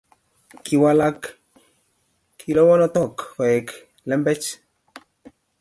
Kiwalak kilowonotok koek lembech